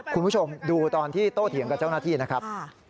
คุณผู้ชมดูตอนที่โตเถียงกับเจ้าหน้าที่นะครับ